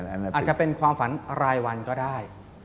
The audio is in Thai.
อาจจะเป็นความฝันรายวันก็ได้